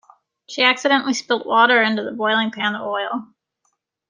She accidentally spilt water into the boiling pan of oil